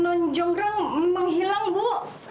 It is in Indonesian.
nun jonggrang menghilang bu